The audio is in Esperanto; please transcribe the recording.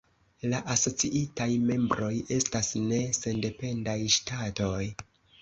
La asociitaj membroj estas ne sendependaj ŝtatoj.